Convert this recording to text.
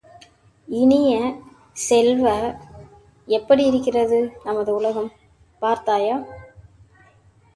இனிய செல்வ, எப்படி இருக்கிறது நமது உலகம், பார்த்தாயா?